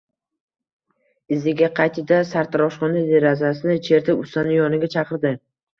Iziga qaytdi-da, sartaroshxona derazasini chertib, ustani yoniga chaqirdi